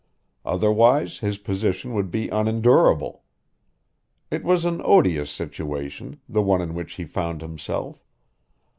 Otherwise his position would be unendurable. It was an odious situation, the one in which he found himself.